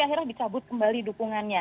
akhirnya dicabut kembali dukungannya